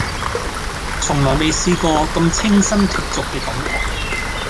從來未試過咁清新脫俗嘅感覺